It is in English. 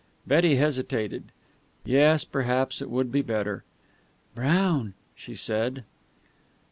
Betty hesitated. Yes, perhaps it would be better. "Brown," she said.